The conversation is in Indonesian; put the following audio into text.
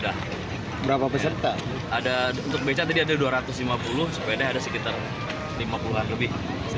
ada dua ratus lima puluh sepeda ada sekitar lima puluh an lebih